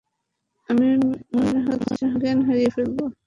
আমি মনে হচ্ছে জ্ঞান হারিয়ে ফেলব!